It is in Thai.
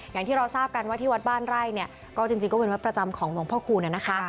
อย่างที่เราทราบกันว่าที่วัดบ้านไร่เนี่ยก็จริงก็เป็นวัดประจำของหลวงพ่อคูณนะคะ